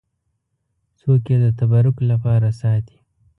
څوک یې د تبرک لپاره ساتي.